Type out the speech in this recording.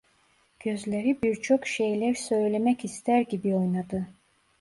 Gözleri birçok şeyler söylemek ister gibi oynadı.